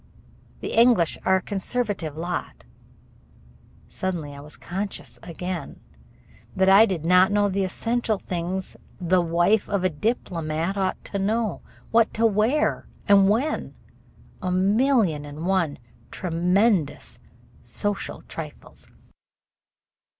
The English are a conservative lot." Suddenly I was conscious again that I did not know the essential things the wife of a diplomat ought to know what to wear and when, a million and one tremendous social trifles.